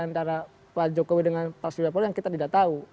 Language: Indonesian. antara pak jokowi dengan pak surya palo yang kita tidak tahu